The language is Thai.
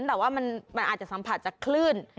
แต่ว่ามันอาจจะสัมผัสจากคลื่น